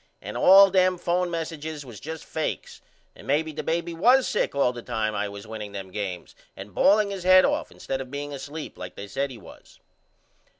And all them phone messiges was just fakes and maybe the baby was sick all the time I was winning them games and balling his head off instead of being asleep like they said he was.